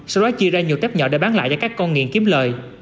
sau đó chia ra nhiều tép nhỏ để bán lại cho các con nghiện kiếm lợi